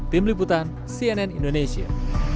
tim liputan cnn indonesia